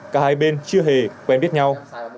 cả hai bên chưa hề quen biết nhau